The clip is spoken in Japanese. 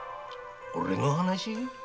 おれの話？